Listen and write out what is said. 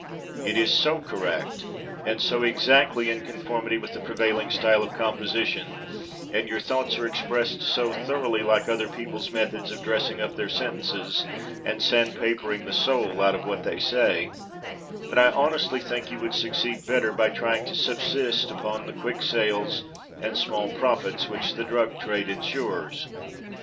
It is so correct and so exactly in conformity with the prevailing style of composition, and your thoughts are expressed so thoroughly like other people's methods of dressing up their sentences and sand papering the soul out of what they say, that I honestly think you would succeed better by trying to subsist upon the quick sales and small profits which the drug trade insures.